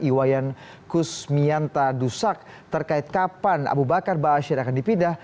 iwayan kusmianta dusak terkait kapan abu bakar ba'asyir akan dipindah